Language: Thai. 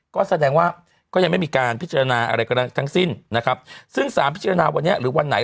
ก็แสดงว่าก็ยังไม่มีการพิจารณาอะไรก็ได้ทั้งสิ้นนะครับซึ่งสารพิจารณาวันนี้หรือวันไหน